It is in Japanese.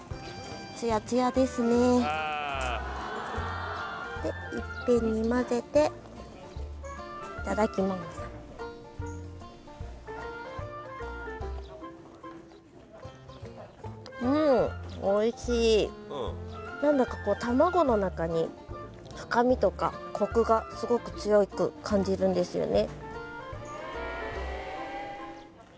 ツヤツヤですねでいっぺんにまぜていただきますなんだか卵の中に深みとかコクがすごく強く感じるんですよね